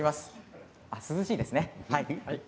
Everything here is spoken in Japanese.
涼しいですね。